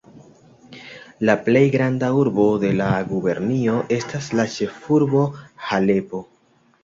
La plej granda urbo de la gubernio estas la ĉefurbo Halepo.